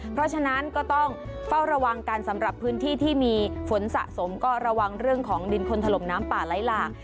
เพราะฉะนั้นก็ต้องเฝ้าระวังกันสำหรับพื้นที่ที่มีฝนสะสมก็ระวังเรื่องของดินคนถล่มน้ำป่าไหลหลาก